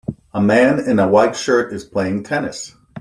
A man in a white shirt is playing tennis.